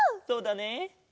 そうだね！